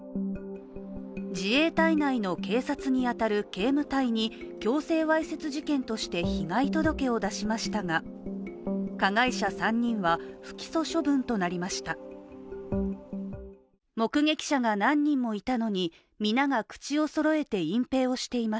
自衛隊内の警察に当たる警務隊に強制わいせつ事件として被害届を出しましたが、加害者３人は不起訴処分となりました。